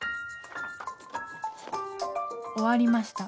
終わりました。